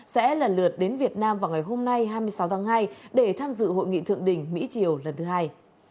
sẽ lần lượt đến việt nam vào ngày hôm nay hai mươi sáu tháng hai để tham dự hội nghị thượng đỉnh mỹ triều lần thứ hai